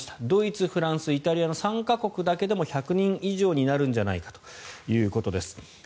ドイツ、イタリア、フランスの３か国だけでも１００人以上になるんじゃないかということです。